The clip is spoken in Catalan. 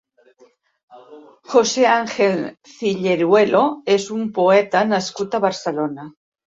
José Ángel Cilleruelo és un poeta nascut a Barcelona.